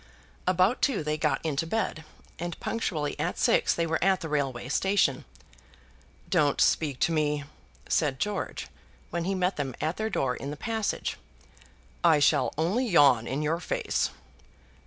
About two they got into bed, and punctually at six they were at the railway station. "Don't speak to me," said George, when he met them at their door in the passage. "I shall only yawn in your face."